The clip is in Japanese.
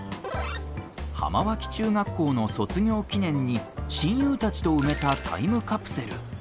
浜脇中学校の卒業記念に親友たちと埋めたタイムカプセル。